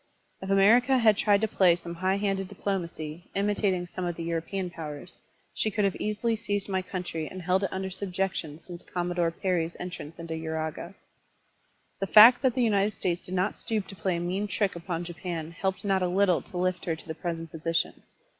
If America had tried to play some high handed diplomacy, imitating some of the Etiropean powers, she could have easily seized my country and held it tmder subjection since Commodore Perry's entrance into Uraga. The fact that the United States did not stoop to play a mean trick upon Japan helped not a little to lift her to the present position.